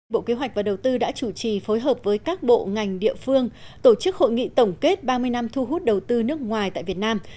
bộ kế hoạch và đầu tư đã chủ trì phối hợp với các bộ ngành địa phương tổ chức hội nghị tổng kết ba mươi năm thu hút đầu tư nước ngoài tại việt nam